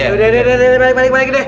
udah deh balik deh